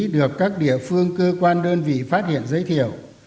được các địa phương cơ quan đơn vị phát hiện giới thiệu